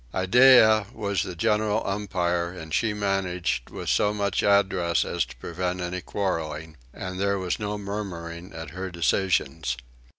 Iddeah was the general umpire and she managed with so much address as to prevent any quarrelling, and there was no murmuring at her decisions.